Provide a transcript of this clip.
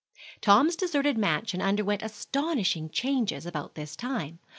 Tom's deserted mansion underwent astonishing changes about this time.